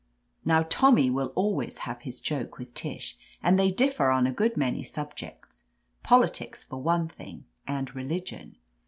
*' Now Tommy will always have his joke witH Tish, and they differ on a good many subjects, politics, for one thing, and religion.